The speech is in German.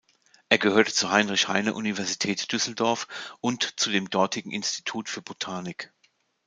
Er gehört zur Heinrich-Heine-Universität Düsseldorf und zu dem dortigen Institut für Botanik.